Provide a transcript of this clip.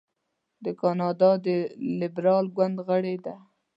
د کاناډا د لیبرال ګوند غړې ده.